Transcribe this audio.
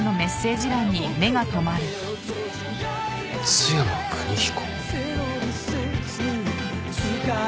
「津山邦彦」？